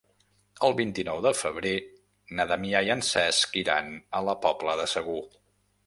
El vint-i-nou de febrer na Damià i en Cesc iran a la Pobla de Segur.